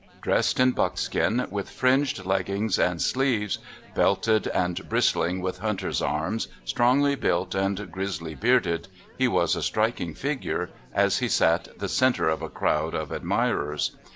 Dressed in buckskin, with fringed leggings and sleeves, belted and bristling with hunters' arms, strongly built and grizzly bearded, he was a striking figure as he sat the cen ter of a crowd of admirers.